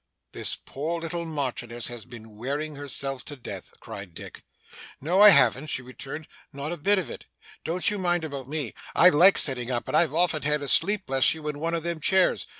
'This poor little Marchioness has been wearing herself to death!' cried Dick. 'No I haven't,' she returned, 'not a bit of it. Don't you mind about me. I like sitting up, and I've often had a sleep, bless you, in one of them chairs.